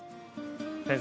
先生